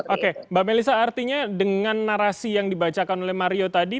oke mbak melisa artinya dengan narasi yang dibacakan oleh mario tadi